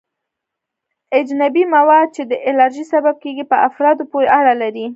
اجنبي مواد چې د الرژي سبب کیږي په افرادو پورې اړه لري.